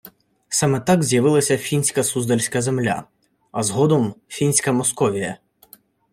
Саме так з'явилася фінська суздальська земля, а згодом – фінська Московія